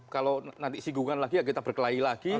kalau nanti singgungan lagi ya kita berkelahi lagi